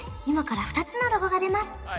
今から２つのロゴが出ます